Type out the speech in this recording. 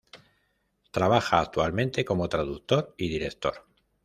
Trabaja actualmente como traductor y director.